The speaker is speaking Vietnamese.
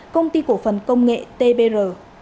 công ty cổ phần công nghệ tbr